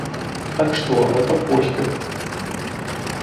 Так што, гэта поспех.